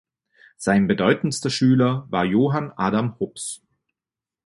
Sein bedeutendster Schüler war Johann Adam Hops.